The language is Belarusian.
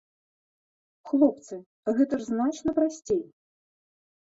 Хлопцы, гэта ж значна прасцей!